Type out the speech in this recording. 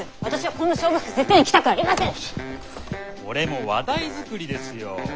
これも話題作りですよ。